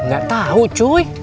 gak tau cuy